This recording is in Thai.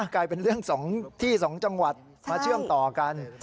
กลายเป็นเรื่อง๒ที่๒จังหวัดมาเชื่อมต่อกัน